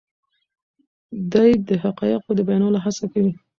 دی د حقایقو د بیانولو هڅه کوي.